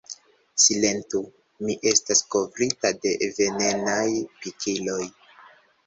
"Silentu, mi estas kovrita de venenaj pikiloj!"